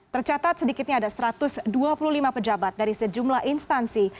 tercatat sedikitnya ada satu ratus dua puluh lima pejabat dari sejumlah instansi